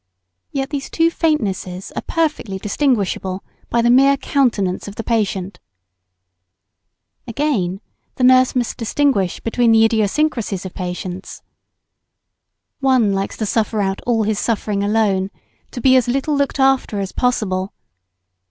Yet these two faintnesses are perfectly distinguishable, by the mere countenance of the patient. [Sidenote: Peculiarities of patients.] Again, the nurse must distinguish between the idiosyncracies of patients. One likes to suffer out all his suffering alone, to be as little looked after as possible.